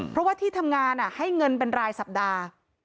เพราะว่าที่ทำงานให้เงินเป็นรายสัปดาห์